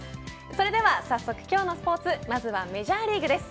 それでは早速、今日のスポーツまずはメジャーリーグです。